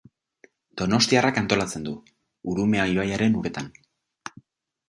Donostiarrak antolatzen du, Urumea ibaiaren uretan.